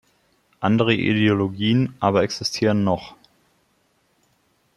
Andere Ideologien aber existieren noch.